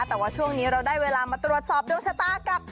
แต่ว่าช่วงนี้เราได้เวลามาตรวจสอบดวงชะตากับ